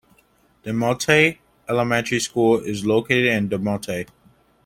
DeMotte Elementary School is located in DeMotte.